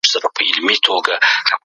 ټولنپوهنه د ټولني ډاکټر دی.